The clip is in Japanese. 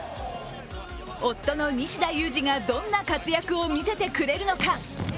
夫の西田有志がどんな活躍を見せてくれるのか。